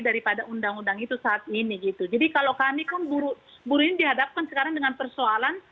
daripada undang undang itu saat ini gitu jadi kalau kami kan buru buru ini dihadapkan sekarang dengan persoalan